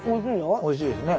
おいしいですね。